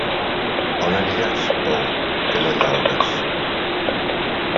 A on aniràs, bou, que no llaures?